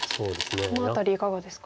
この辺りいかがですか？